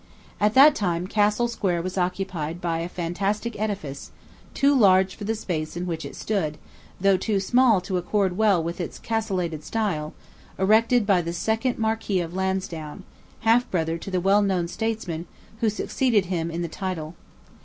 At that time Castle Square was occupied by a fantastic edifice, too large for the space in which it stood, though too small to accord well with its castellated style, erected by the second Marquis of Lansdowne, half brother to the well known statesman, who succeeded him in the title.